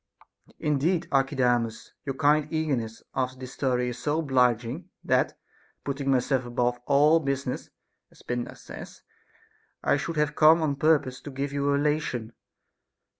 Caphisias. Indeed Archidamus, your kind eagerness after this story is so obliging, that, putting myself above all business (as Pindar says), I should have come on purpose to give you a relation.